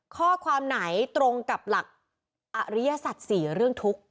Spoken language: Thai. ข้อความไหนตรงกับหลักอริยสัตว์๔เรื่องทุกข์